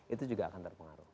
itu juga akan terpengaruh